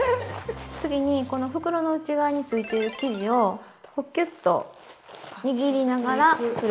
次にこの袋の内側についてる生地をキュッと握りながらふる。